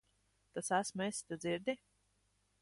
Tas esmu es. Tu dzirdi?